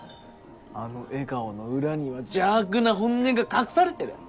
あの笑顔の裏には邪悪な本音が隠されてる！